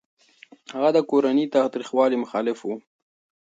هغه د کورني تاوتريخوالي مخالف و.